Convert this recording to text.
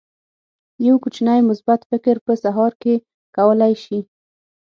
یو کوچنی مثبت فکر په سهار کې کولی شي.